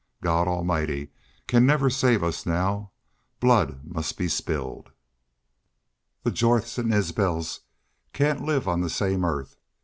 God Almighty can never save us now. Blood must be spilled. The Jorths and the Isbels can't live on the same earth....